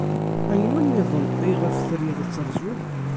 Anwa niḍen ayɣef trid ad terzud?